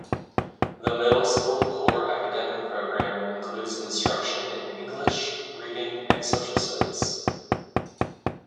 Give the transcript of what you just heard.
The middle school core academic program includes instruction in English, reading and social studies.